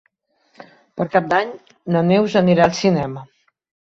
Per Cap d'Any na Neus anirà al cinema.